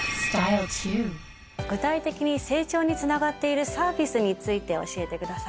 具体的に成長につながっているサービスについて教えてください。